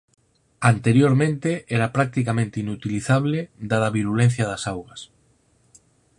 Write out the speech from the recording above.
Anteriormente era practicamente inutilizable dada a virulencia das augas.